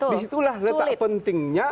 disitulah letak pentingnya